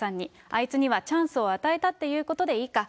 あいつにはチャンスを与えたということでいいか。